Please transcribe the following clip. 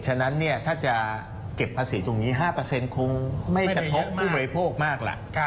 ฉะนั้นถ้าจะเก็บภาษีตรงนี้๕คงไม่กระทบผู้บริโภคมากล่ะ